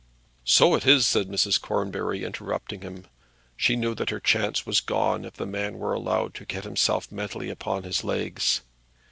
"So it is," said Mrs. Cornbury, interrupting him. She knew that her chance was gone if the man were allowed to get himself mentally upon his legs.